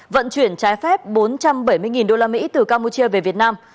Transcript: vận chuyển trái phép bốn trăm bảy mươi usd từ campuchia về việt nam